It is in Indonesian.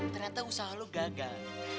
ternyata usaha lo gagal